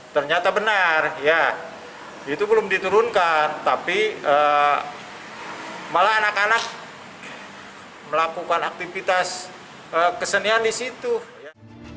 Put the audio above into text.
ternyata benar ya itu belum diturunkan tapi malah anak anak melakukan aktivitas kesenian di situ ya